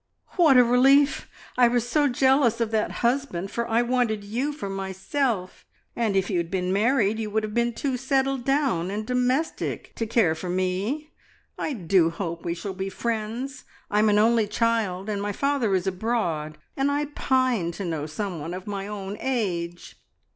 "What a relief! I was so jealous of that husband, for I wanted you for myself, and if you had been married you would have been too settled down and domestic to care for me. I do hope we shall be friends. I'm an only child, and my father is abroad, and I pine to know someone of my own age."